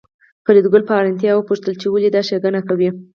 فریدګل په حیرانتیا وپوښتل چې ولې دا ښېګڼه کوې